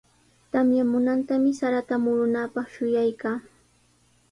Tamyamunantami sarata murunaapaq shuyaykaa.